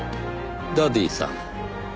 ダディさん。